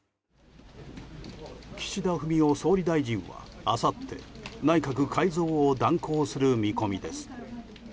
岸田文雄総理大臣は、あさって内閣改造を断行する見込みです。